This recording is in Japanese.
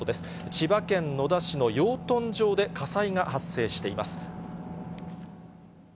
千葉県野田市の養豚場で火災が発生しています。